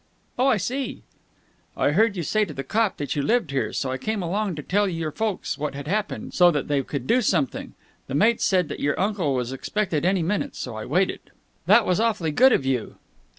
"Oh, I see." "I heard you say to the cop that you lived here, so I came along to tell your folks what had happened, so that they could do something. The maid said that your uncle was expected any minute, so I waited." "That was awfully good of you."